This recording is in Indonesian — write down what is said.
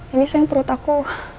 ini sayang perut aku